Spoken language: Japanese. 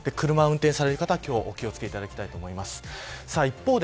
車を運転される方はお気を付けていただきたいと思います。